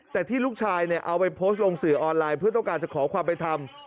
แต่ที่ลูกชายเนี่ยเอาไปโพสต์ลงสือออนไลน์เพื่อต้องการจะขอความไปทำ